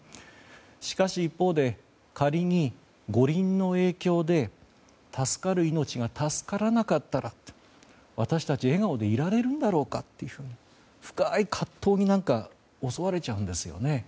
しかし、一方で仮に五輪の影響で助かる命が助からなかったら私たちは笑顔でいられるんだろうかと深い葛藤に襲われちゃうんですよね。